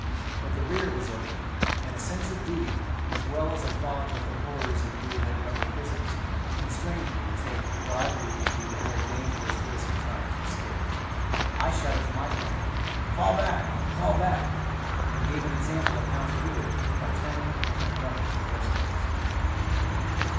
But the rear was open and a sense of duty, as well as a thought of the horrors endured in rebel prisons, constrained me to take what I believed to be the very dangerous risk of trying to escape. I shouted to my company, "Fall back! Fall back!" and gave an example of how to do it by turning and running for the breastworks.